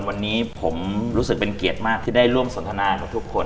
วันนี้ผมรู้สึกเป็นเกียรติมากที่ได้ร่วมสนทนากับทุกคน